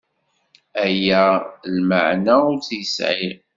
Aya lmeɛna ur tt-yesɛi.